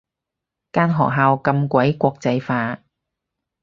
間學校咁鬼國際化